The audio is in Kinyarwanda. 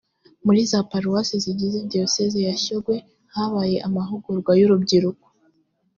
muri za paruwase zigize diyosezi ya shyogwe habaye amahugurwa y’urubyiruko